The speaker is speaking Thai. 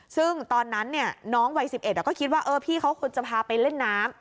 ซึ่งตอนนั้นเนี่ยน้องวัย๑๑อ่ะก็คิดว่าเออพี่เขาคุณจะพาไปเล่นน้ำ